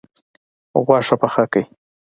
غوښه پخه کړئ